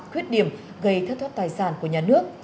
khuyết điểm gây thất thoát tài sản của nhà nước